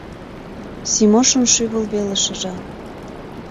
— Симошын шӱвыл веле шыжа.